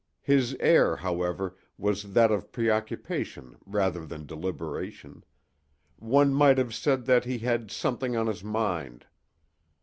His air, however, was that of preoccupation rather than deliberation: one might have said that he had "something on his mind."